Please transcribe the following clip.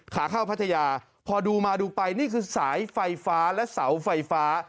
ขาเข้าพัทยาพอดูมาดูไปนี่คือสายไฟฟ้าและเสาไฟฟ้า